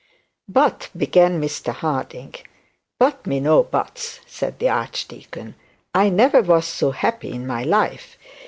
'But ' began Mr Harding. 'But me no buts,' said the archdeacon. 'I never was so happy in my life.